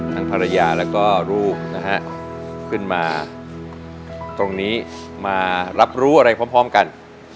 ภรรยาแล้วก็ลูกนะฮะขึ้นมาตรงนี้มารับรู้อะไรพร้อมกัน